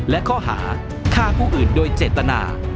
และข้อหาฆ่าผู้อื่นโดยเจตนา